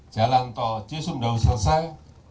jalan tol cisumdawu selesai